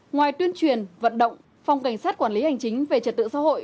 ngoài tuyên truyền vận động phòng cảnh sát quản lý hành chính về trật tự xã hội